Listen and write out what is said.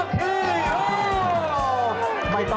ไม่ต้องชิงแล้วนะครับ